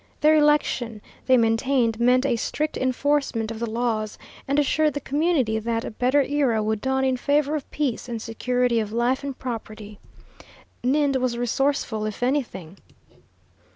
Their election, they maintained, meant a strict enforcement of the laws, and assured the community that a better era would dawn in favor of peace and security of life and property. Ninde was resourceful if anything.